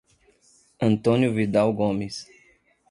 Antônio Vidal Gomes